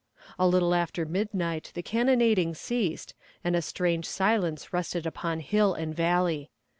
A little after midnight the cannonading ceased, and a strange silence rested upon hill and valley.